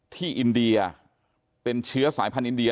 อินเดียเป็นเชื้อสายพันธุอินเดีย